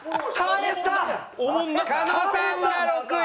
狩野さんが６位。